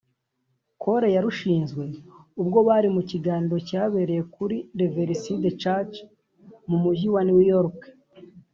Cole yarushinze ubwo bari mu kiganiro cyabereye kuri Riverside Church mu Mujyi wa New York